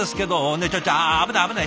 ねえちょちょああ危ない危ない！